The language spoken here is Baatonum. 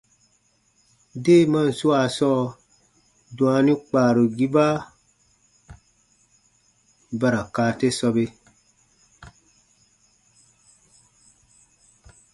Deemaan swaa sɔɔ, dwaani kpaarugiba ba ra kaa te sɔbe.